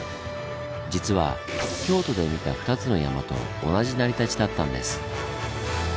実は京都で見た２つの山と同じ成り立ちだったんです。